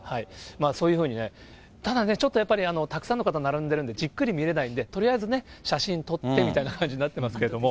そういうふうにね、ただね、ちょっとやっぱり、たくさんの方並んでるんで、じっくり見れないんで、とりあえず写真撮ってみたいな感じになってますけれども。